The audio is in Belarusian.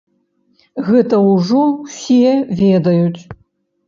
Гэта ўжо ўсе ведаюць.